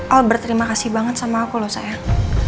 al berterima kasih banget sama aku loh sayang